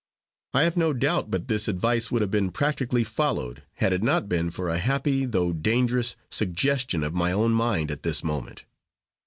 I have no doubt but this advice would have been practically followed, had it not been for a happy though dangerous suggestion of my own mind, at this moment.